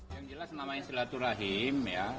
yang jelas namanya silaturahim ya